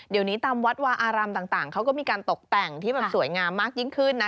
เดี๋ยวนี้ตามวัดวาอารามต่างเขาก็มีการตกแต่งที่แบบสวยงามมากยิ่งขึ้นนะ